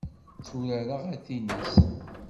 Tturareɣ atinis.